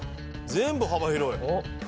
全部幅広い。